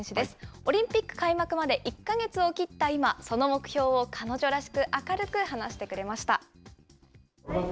オリンピック開幕まで１か月を切った今、その目標を彼女らしく、明るく話してくれました。